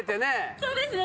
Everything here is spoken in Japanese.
そうですね。